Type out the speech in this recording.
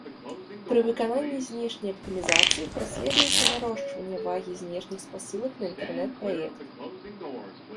Пры выкананні знешняй аптымізацыі праследуюцца нарошчвання вагі знешніх спасылак на інтэрнэт-праект.